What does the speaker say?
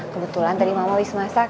kebetulan tadi mama wis masak